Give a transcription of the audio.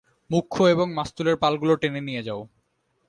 মূখ্য এবং মাস্তুলের পালগুলো টেনে নিয়ে যাও!